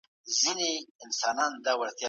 مسعود ، د نظار شورا او برهان الدين رباني، چي د